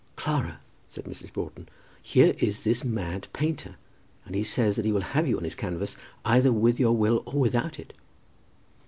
"Clara," said Mrs. Broughton, "here is this mad painter, and he says that he will have you on his canvas, either with your will or without it."